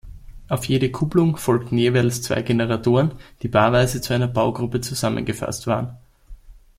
Auf jede Kupplung folgten jeweils zwei Generatoren, die paarweise zu einer Baugruppe zusammengefasst waren.